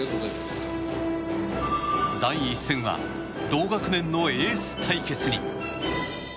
第１戦は同学年のエース対決に。